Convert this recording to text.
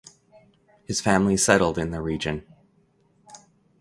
His family settled in the region.